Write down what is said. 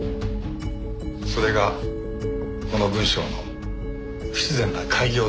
それがこの文章の不自然な改行です。